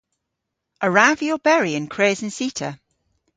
A wrav vy oberi yn kres an cita?